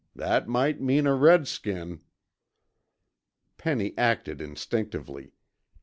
That might mean a redskin." Penny acted instinctively.